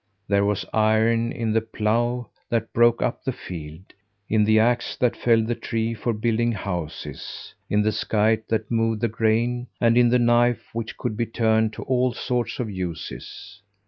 There was iron in the plough that broke up the field, in the axe that felled the tree for building houses, in the scythe that mowed the grain, and in the knife, which could be turned to all sorts of uses.